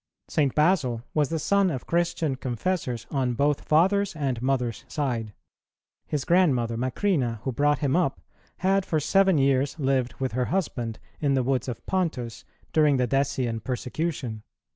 St. Basil was the son of Christian confessors on both father's and mother's side. His grandmother Macrina, who brought him up, had for seven years lived with her husband in the woods of Pontus during the Decian persecution.